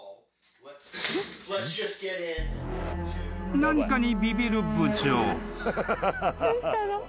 ［何かにビビる部長］